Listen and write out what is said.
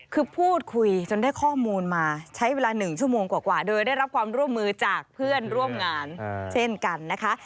คือพูดคุยจนได้ข้อมูลมาใช้เวลา๑ชั่วโมงกว่าโดยได้รับความร่วมมือจากเพื่อนร่วมงานเช่นกันนะคะ